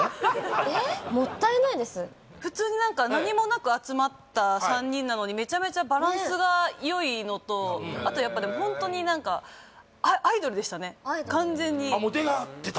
えっ？もったいないです普通に何か何もなく集まった３人なのにめちゃめちゃバランスがよいのとあとやっぱでもホントに何かアイドルでしたね完全にあっもう出会ってた？